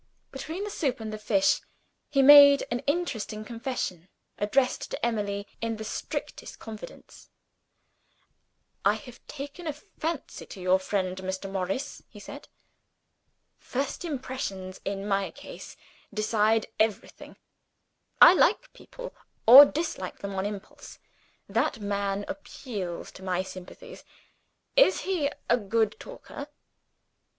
Between the soup and the fish, he made an interesting confession, addressed to Emily in the strictest confidence. "I have taken a fancy to your friend Mr. Morris," he said. "First impressions, in my case, decide everything; I like people or dislike them on impulse. That man appeals to my sympathies. Is he a good talker?"